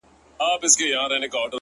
د ناروا زوی نه یم ـ